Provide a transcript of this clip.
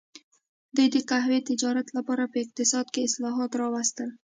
دوی د قهوې تجارت لپاره په اقتصاد کې اصلاحات راوستل.